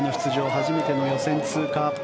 初めての予選通過。